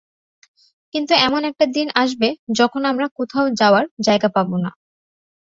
কিন্তু এমন একটা দিন আসবে যখন আমরা কোথাও যাওয়ার জায়গা পাব না।